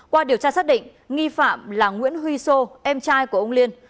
qua điều tra xác định nghi phạm là nguyễn huy sô em trai của ông liên